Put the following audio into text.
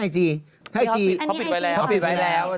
แอ๋อเขาแปิดไว้แล้ว